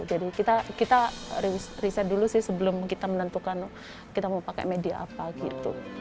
jadi kita riset dulu sih sebelum kita menentukan kita mau pakai media apa gitu